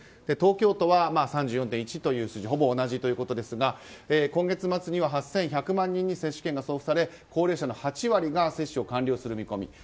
東京都は３４．１という数字でほぼ同じなわけですが今月末には８１００万人に接種券が送付され高齢者の８割が接種を完了する見込み。